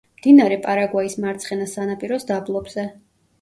მდინარე პარაგვაის მარცხენა სანაპიროს დაბლობზე.